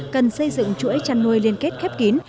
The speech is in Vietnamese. cần xây dựng chuỗi chăn nuôi liên kết khép kín